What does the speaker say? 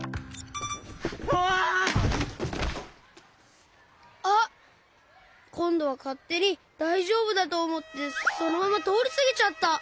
うわ！あっこんどはかってにだいじょうぶだとおもってそのままとおりすぎちゃった！